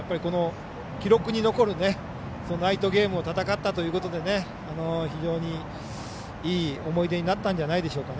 記録に残るナイトゲームを戦ったということで非常にいい思い出になったんじゃないでしょうか。